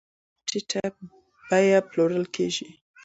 بله برخه یې په ډېره ټیټه بیه پلورل کېږي